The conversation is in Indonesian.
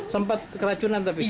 sempat keracunan tapi